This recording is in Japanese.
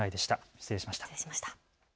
失礼しました。